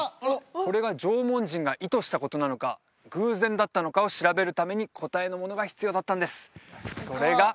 これが縄文人が意図したことなのか偶然だったのかを調べるために答えのものが必要だったんですそれが